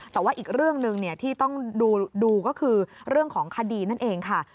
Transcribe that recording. แต่ว่าอีกเรื่องหนึ่งที่ต้องดูก็คือเรื่องของคดีนั่นเองค่ะ